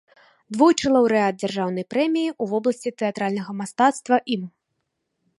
Двойчы лаўрэат дзяржаўнай прэміі ў вобласці тэатральнага мастацтва ім.